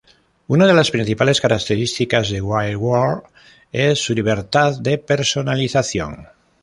Una de las principales características de "Wild World" es su libertad de personalización.